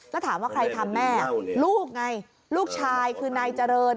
แล้วถามว่าใครทำแม่ลูกไงลูกชายคือนายเจริญ